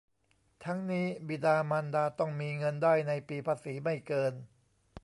ทั้งนี้บิดามารดาต้องมีเงินได้ในปีภาษีไม่เกิน